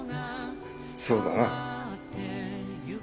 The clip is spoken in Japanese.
そうだな。